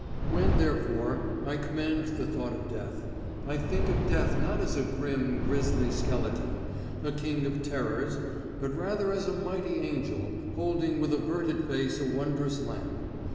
When, therefore, I commend the thought of death, I think of death not as a grim, grisly skeleton, a King of Terrors, but rather as a mighty angel, holding with averted face a wondrous lamp.